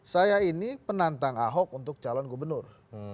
saya ini penantang ahok untuk calon gubernur